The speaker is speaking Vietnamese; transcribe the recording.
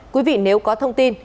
quý vị nếu có thông tin